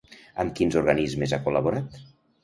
Amb quins organismes ha col·laborat?